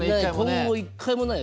今後１回もないよ